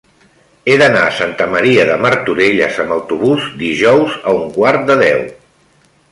He d'anar a Santa Maria de Martorelles amb autobús dijous a un quart de deu.